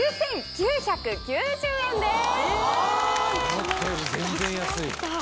思ったより全然安い。